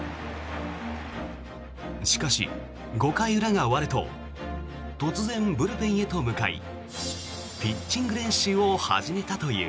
しかし、５回裏が終わると突然、ブルペンへと向かいピッチング練習を始めたという。